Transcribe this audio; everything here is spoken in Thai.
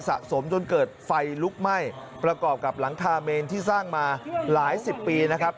สะสมจนเกิดไฟลุกไหม้ประกอบกับหลังคาเมนที่สร้างมาหลายสิบปีนะครับ